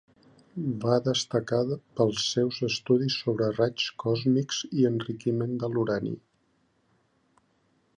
Va destacar pels seus estudis sobre raigs còsmics i enriquiment de l'urani.